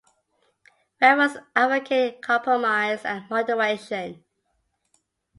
Revels advocated compromise and moderation.